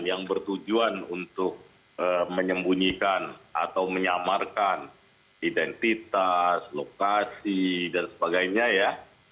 yang bertujuan untuk menyembunyikan atau menyamarkan identitas lokasi dan sebagainya ya